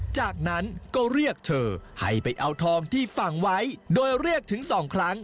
จากนั้นก็เรียกเธอให้ไปเอาทองที่ฝังไว้โดยเรียกถึงสองครั้ง